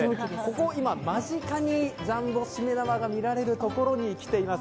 今、間近にジャンボしめ縄が見られるところに来ています。